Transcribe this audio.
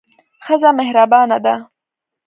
ښځه مهربانه ده.